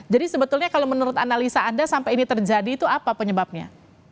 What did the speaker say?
jadi sebetulnya kalau menurut analisa anda sampai ini terjadi itu apa penyebabnya